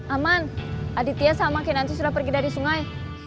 aman aditya sama kinantu sudah pergi dari sungai